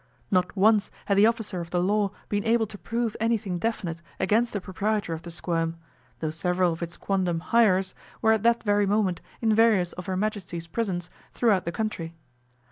Not once had the officer of the law been able to prove anything definite against the proprietor of the 'Squirm', though several of its quondam hirers were at that very moment in various of Her Majesty's prisons throughout the country.